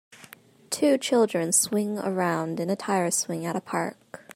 Two children swing around in a tire swing at a park.